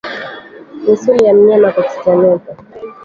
Misuli ya mnyama kutetemeka